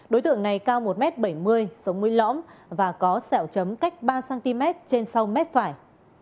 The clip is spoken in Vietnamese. đối tượng này cao một m bảy mươi sống mũi lõm và có sẹo chấm cách ba cm trên sau mết phải